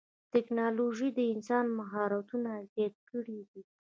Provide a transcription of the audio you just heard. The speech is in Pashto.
ټکنالوجي د انسان مهارتونه زیات کړي دي.